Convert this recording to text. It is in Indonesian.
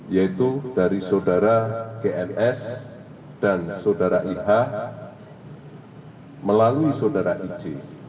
yaitu dari sodara gms dan sodara ih melalui sodara ic